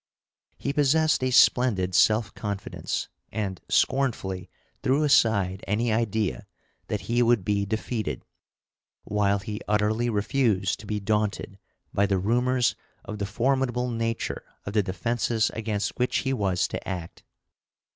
He possessed a splendid self confidence, and scornfully threw aside any idea that he would be defeated, while he utterly refused to be daunted by the rumors of the formidable nature of the defenses against which he was to act.